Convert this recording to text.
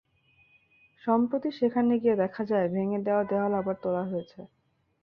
সম্প্রতি সেখানে গিয়ে দেখা যায়, ভেঙে দেওয়া দেয়াল আবার তোলা হয়েছে।